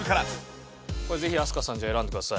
これぜひ飛鳥さんじゃあ選んでください。